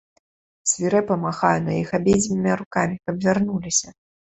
Свірэпа махаю на іх абедзвюма рукамі, каб вярнуліся.